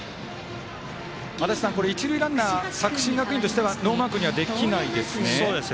これ、一塁ランナー作新学院としてはノーマークにはできないですね。